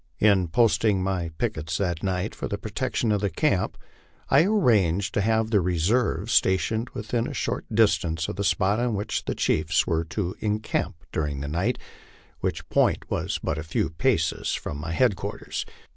In posting my pickets that night for the protection of the camp, Arranged to have the reserve stationed within a short distance of the spot on which the chiefs were to encamp during the night, which point was but a few paces from my headquarters.